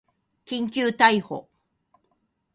緊急逮捕